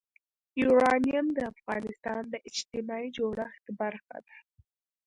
یورانیم د افغانستان د اجتماعي جوړښت برخه ده.